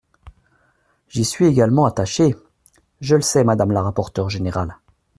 J’y suis également attachée ! Je le sais, madame la rapporteure générale.